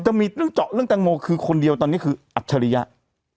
จะมีเรื่องเจาะเรื่องแตงโมคือคนเดียวตอนนี้คืออัจฉริยะ